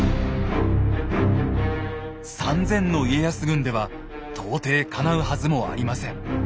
３，０００の家康軍では到底かなうはずもありません。